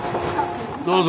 どうぞ。